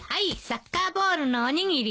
サッカーボールのおにぎりね。